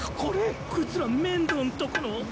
こいつら面堂んとこの。